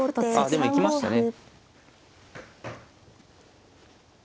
あでも行きましたね。